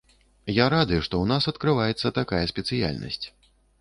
Я рады, што ў нас адкрываецца такая спецыяльнасць.